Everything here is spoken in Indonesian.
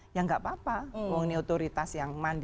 itu tidak apa apa ini otoritas yang mandiri